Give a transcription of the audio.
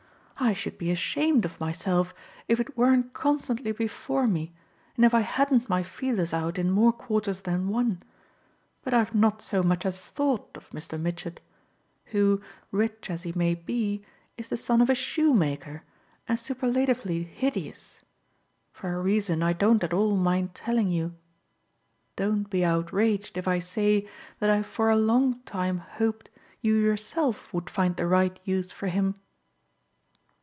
I should be ashamed of myself if it weren't constantly before me and if I hadn't my feelers out in more quarters than one. But I've not so much as thought of Mr. Mitchett who, rich as he may be, is the son of a shoemaker and superlatively hideous for a reason I don't at all mind telling you. Don't be outraged if I say that I've for a long time hoped you yourself would find the right use for him."